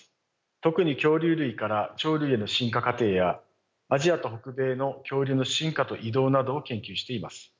特に恐竜類から鳥類への進化過程やアジアと北米の恐竜の進化と移動などを研究しています。